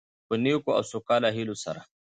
په نیکو او سوکاله هيلو سره،